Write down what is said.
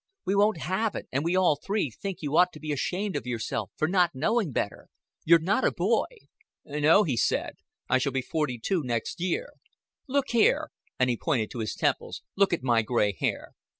We won't have it and we all three think you ought to be ashamed of yourself for not knowing better. You're not a boy." "No," he said, "I shall be forty two next year. Look here," and he pointed to his temples. "Look at my gray hair."